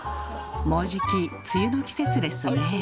もうじき梅雨の季節ですね。